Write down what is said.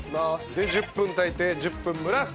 で１０分炊いて１０分蒸らす！